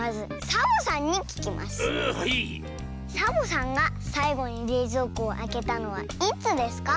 サボさんがさいごにれいぞうこをあけたのはいつですか？